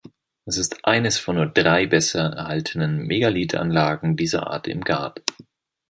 Es ist eines von nur drei besser erhaltenen Megalithanlagen dieser Art im Gard.